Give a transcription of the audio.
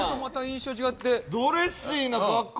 ドレッシーな格好。